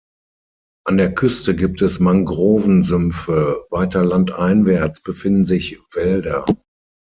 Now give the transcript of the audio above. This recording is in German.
An der Küste gibt es Mangrovensümpfe; weiter landeinwärts befinden sich Wälder.